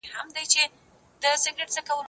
ميوې د زهشوم له خوا خورل کيږي؟!